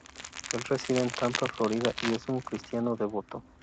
Él reside en Tampa, Florida, y es un cristiano devoto.